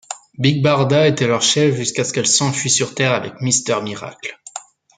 Big Barda était leur chef jusqu'à ce qu'elle s'enfuit sur terre avec Mister Miracle.